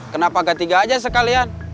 kenapa gak tiga aja sekalian